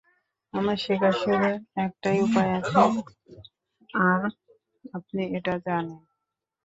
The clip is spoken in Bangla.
আমার শেখার শুধু একটাই উপায় আছে আর আপনি এটা জানেন।